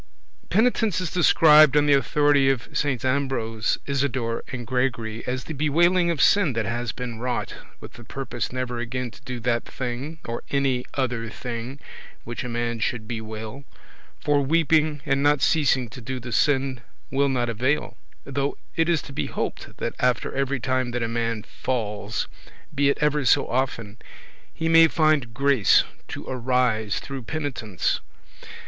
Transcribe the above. [Penitence is described, on the authority of Saints Ambrose, Isidore, and Gregory, as the bewailing of sin that has been wrought, with the purpose never again to do that thing, or any other thing which a man should bewail; for weeping and not ceasing to do the sin will not avail — though it is to be hoped that after every time that a man falls, be it ever so often, he may find grace to arise through penitence.